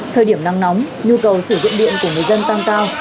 thời điểm nắng nóng nhu cầu sử dụng điện của người dân tăng cao